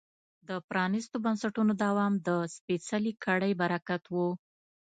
د پرانیستو بنسټونو دوام د سپېڅلې کړۍ برکت و.